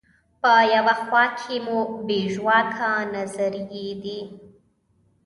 په یوه خوا کې مو بې ژواکه نظریې دي.